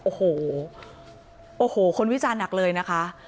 โอ้โหโอ้โหคนวิจารณ์หนักเลยนะคะ